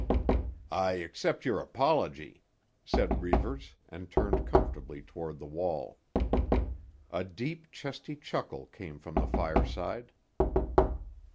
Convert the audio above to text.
"I accept your apology," said Reivers and turned comfortably toward the wall. A deep, chesty chuckle came from the fireside.